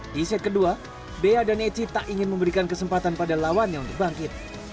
di set kedua bea dan eci tak ingin memberikan kesempatan pada lawannya untuk bangkit